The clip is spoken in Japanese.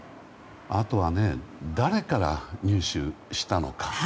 あとは誰から入手したのか。